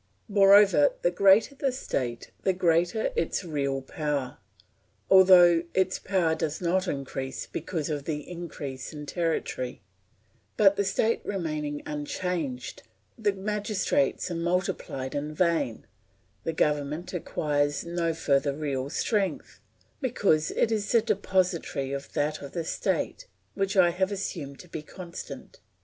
Moreover, the greater the state the greater its real power, although its power does not increase because of the increase in territory; but the state remaining unchanged, the magistrates are multiplied in vain, the government acquires no further real strength, because it is the depositary of that of the state, which I have assumed to be constant.